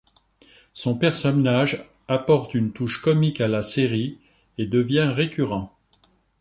Son personnage apporte une touche comique à la série et devient récurrent.